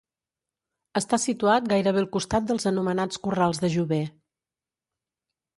Està situat gairebé al costat dels anomenats corrals de Jover.